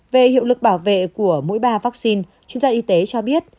về hiệu lực bảo vệ của mỗi ba vaccine chuyên gia y tế cho biết